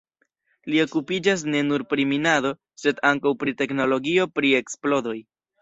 Li okupiĝas ne nur pri minado, sed ankaŭ pri teknologio pri eksplodoj.